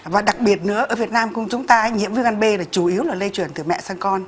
và đặc biệt nữa ở việt nam chúng ta nhiễm viêm gan b là chủ yếu là lây truyền từ mẹ sang con